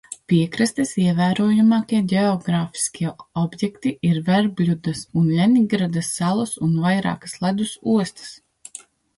Piekrastes ievērojamākie ģeogrāfiskie objekti ir Verbļudas un Ļeņingradas salas un vairākas ledus ostas.